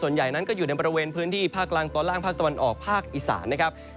ส่วนใหญ่นั้นก็อยู่ในบริเวณพื้นที่ภาคกลางตอนล่างภาคตะวันออกภาคอีสานนะครับ